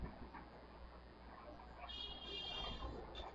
আমাদের সবার ভেতর রাক্ষস আছে।